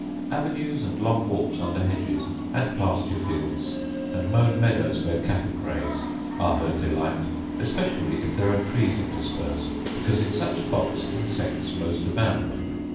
Avenues, and long walks under hedges, and pasture fields, and mown meadows where cattle graze, are her delight, especially if there are trees interspersed; because in such spots insects most abound.